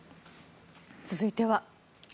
続いては。